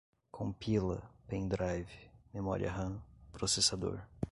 compila, pen drive, memória ram, processador